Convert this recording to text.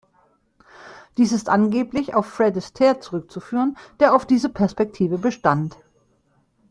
Dies ist angeblich auf Fred Astaire zurückzuführen, der auf diese Perspektive bestand.